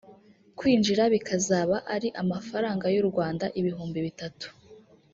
kwinjira bikazaba ari amafaranga y’u Rwanda ibihumbi bitatu